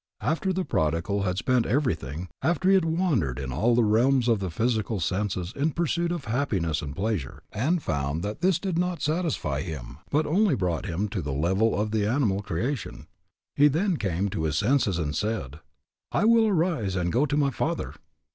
After the prodigal had spent everything, after he had wandered in all the realms of the physical senses in the pursuit of happiness and pleasure, and found that this did not satisfy but only brought him to the level of the animal creation, he then came to his senses and said, I will arise and go to my Father.